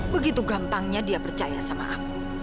begitu gampangnya dia percaya sama aku